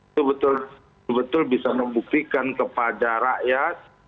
itu betul betul bisa membuktikan kepada rakyat